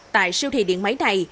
tại siêu thị điện máy này